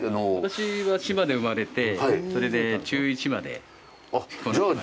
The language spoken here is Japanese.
私は島で生まれて、それで、中１まであの島で。